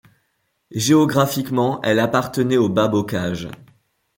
Géographiquement, elle appartenait au Bas-Bocage.